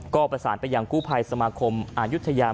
ก็ประสานไปยังกู้ภัยสมาคมอายุทยา